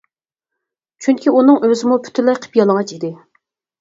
چۈنكى ئۇنىڭ ئۆزىمۇ پۈتۈنلەي قىپيالىڭاچ ئىدى.